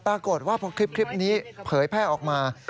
ปรากฏว่าพอคลิปนี้เผยแพร่ออกมา